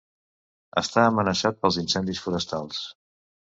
Està amenaçat pels incendis forestals.